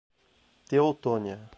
Teutônia